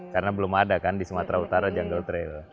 karena belum ada kan di sumatera utara jungle trail